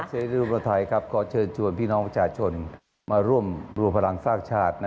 ขอเชิญที่รูปไทยครับกอเชิญประชาชนคุณมาร่วมบลวงพลังสร้างชาติ